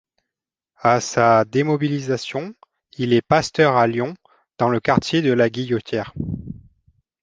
À sa démobilisation, il est pasteur à Lyon, dans le quartier de la Guillotière.